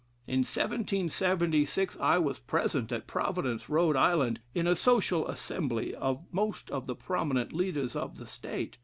In 1776 I was present at Providence, Rhode Island, in a social assembly of most of the prominent leaders of the State.